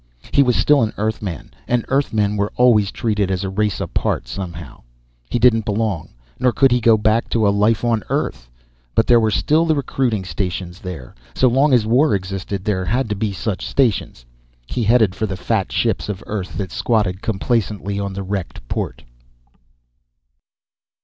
He was still an Earthman, and Earthmen were always treated as a race apart somehow. He didn't belong. Nor could he go back to a life on Earth. But there were still the recruiting stations there; so long as war existed, there had to be such stations. He headed for the fat ships of Earth that squatted complacently on the wrecked port.